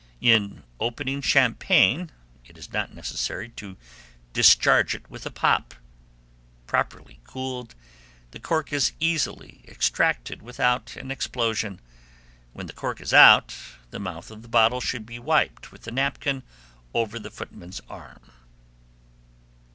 In opening champagne, it is not necessary to discharge it with a pop; properly cooled, the cork is easily extracted without an explosion; when the cork is out, the mouth of the bottle should be wiped with the napkin over the footman's arm.